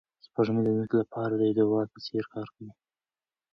سپوږمۍ د ځمکې لپاره د یو ډال په څېر کار کوي.